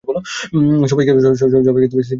সবাইকে শক্ত করে সিট বেল্ট বেঁধে নিতে বলো।